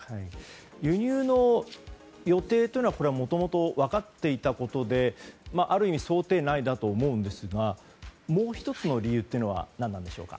輸入の予定というのはもともと分かっていたことである意味想定内だと思うんですがもう１つの理由というのは何でしょうか。